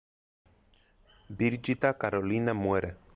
Birgitta Carolina muere.